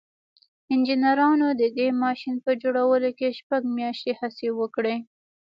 انجنيرانو د دې ماشين په جوړولو کې شپږ مياشتې هڅې وکړې.